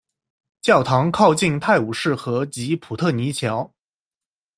教堂靠近泰晤士河及普特尼桥。